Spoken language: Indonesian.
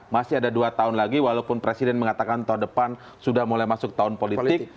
masih ada dua tahun lagi walaupun presiden mengatakan tahun depan sudah mulai masuk tahun politik